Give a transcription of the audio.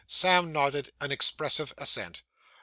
Sam nodded an expressive assent.